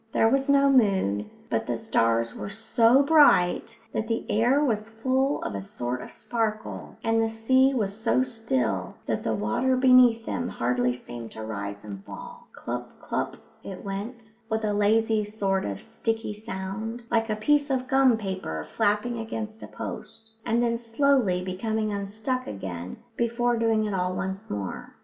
There was no moon, but the stars were so bright that the air was full of a sort of sparkle; and the sea was so still that the water beneath them hardly seemed to rise and fall. Clup, clup it went, with a lazy sort of sticky sound, like a piece of gum paper flapping against a post, and then slowly becoming unstuck again before doing it all once more.